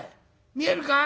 見えるか？